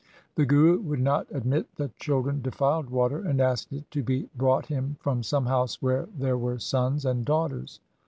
The Guru would not admit that children defiled water, and asked it to be brought him from some house, where there were sons and daughters.